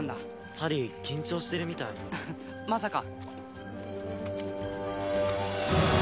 ハリー緊張してるみたいフフッまさか